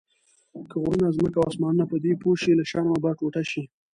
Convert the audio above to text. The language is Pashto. که غرونه، ځمکه او اسمانونه پدې پوه شي له شرمه به ټوټه شي.